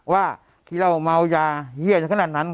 ว่าที่เรามาอ้วยาเยี่ยงขนาดนั้น